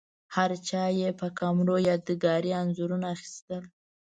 هرچا یې په کمرو یادګاري انځورونه اخیستل.